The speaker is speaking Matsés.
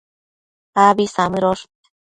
Abi samëdosh